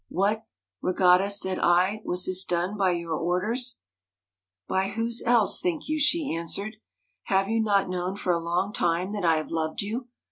'"What, Ragotta," said I, "was this done by your orders ?" '"By whose else, think you?" she answered. "Have you not known for a long time that I have loved you